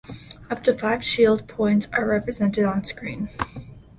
Up to five shield points are represented on screen.